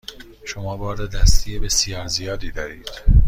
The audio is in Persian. شما بار دستی بسیار زیادی دارید.